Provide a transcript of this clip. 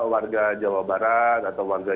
warga jawa barat atau warga